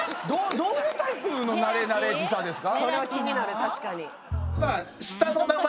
どういうタイプのなれなれしさですか？